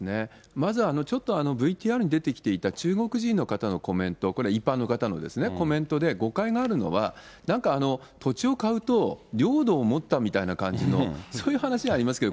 まずちょっと、ＶＴＲに出てきていた中国人の方のコメント、これ、一般の方のですね、コメントで誤解があるのは、なんか土地を買うと、領土を持ったみたいな感じの、そういう話がありますけど、